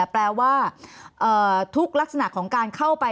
แปลว่าทุกลักษณะของการเข้าไป